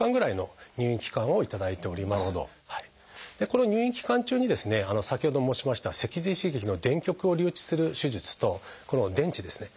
この入院期間中に先ほど申しました脊髄刺激の電極を留置する手術とこの電池ですね